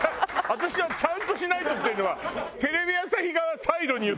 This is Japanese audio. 私は「ちゃんとしないと」っていうのはテレビ朝日側サイドに言う。